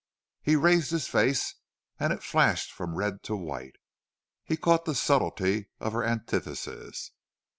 He raised his face and it flashed from red to white. He caught the subtlety of her antithesis.